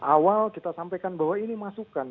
awal kita sampaikan bahwa ini masukan